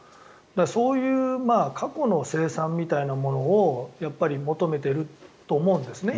そういう過去の清算みたいなものをやっぱり求めていると思うんですね。